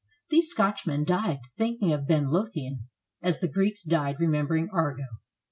These Scotchmen died thinking of Ben Lothian, as the Greeks died remembering Argo.